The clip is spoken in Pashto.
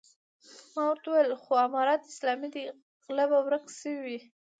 ما ورته وويل خو امارت اسلامي دی غله به ورک شوي وي.